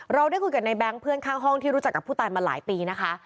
เราได้คุยกับในแง๊งเพื่อนข้างห้องที่รู้จักกับผู้ตายมาหลายปีนะคะ